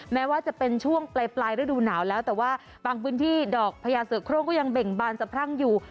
แม้ว่าจะเป็นช่วงปลายฤดูหนาวแล้วแต่ว่าบางพื้นที่ดอกพญาเสือโครงก็ยังเบ่งบานสะพรั่งอยู่